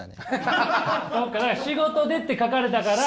「仕事で」って書かれたから。